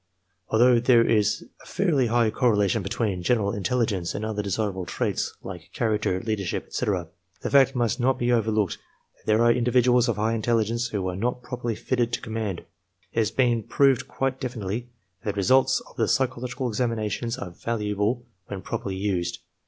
Although there is a fairly high correlation between general intelligence and other desirable traits, Uke character, leadership, etc., the "" fact must not be overlooked that there are individuals of high intelligence who are not properly fitted to command. It has been proved quite definitely that the results of the psychological examinations are valuable when properly used.